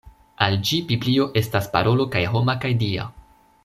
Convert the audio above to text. Al ĝi Biblio estas parolo kaj homa kaj Dia.